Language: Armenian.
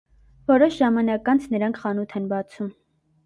Որոշ ժամանակ անց նրանք խանութ են բացում։